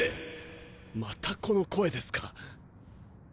またこの声ですか！